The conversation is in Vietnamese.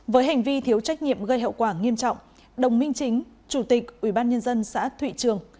với hành vi thiếu trách nhiệm gây hậu quả nghiêm trọng đồng minh chính chủ tịch ubnd xã thụy trường